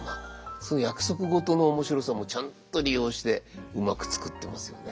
その約束事の面白さもちゃんと利用してうまく作ってますよね。